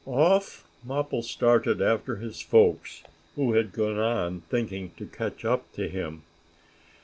Off Mappo started after his folks, who had gone on, thinking to catch up to him.